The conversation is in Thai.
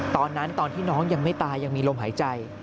ตอนที่น้องยังไม่ตายยังมีลมหายใจ